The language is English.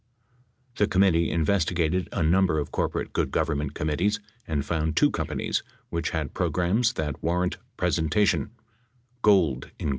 The committee investigated a number of corporate good Government committees and found two companies which had programs that war rant presentation : Gould, Inc.